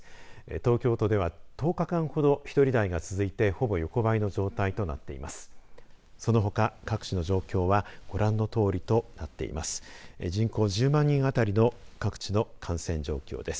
東京都では１０日間ほど１人台が続いてほぼ横ばいの状態となっています。